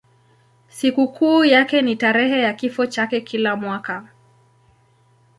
Sikukuu yake ni tarehe ya kifo chake kila mwaka.